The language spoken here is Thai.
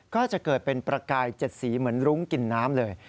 ก็จะเกิดเป็นประกาย๗สีเหมือนรุ้งกินน้ำเลย